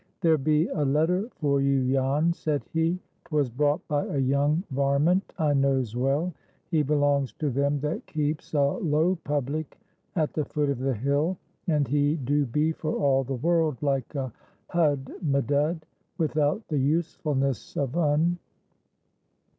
"There be a letter for you, Jan," said he. "'Twas brought by a young varment I knows well. He belongs to them that keeps a low public at the foot of the hill, and he do be for all the world like a hudmedud, without the usefulness of un."